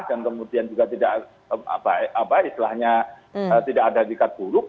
dan kemudian juga tidak ada ikat buruk